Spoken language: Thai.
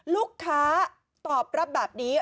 ลูกค้าตอบรับแบบนี้